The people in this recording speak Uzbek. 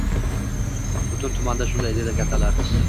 — Butun tumanda shunday, — dedi kattalar.